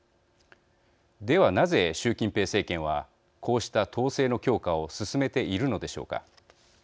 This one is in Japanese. ではなぜ習近平政権はこうした統制の強化を進めているのでしょうか。